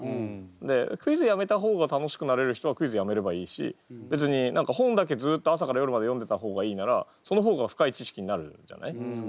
でクイズやめた方が楽しくなれる人はクイズやめればいいし別に本だけずっと朝から夜まで読んでた方がいいならその方が深い知識になるじゃないですか。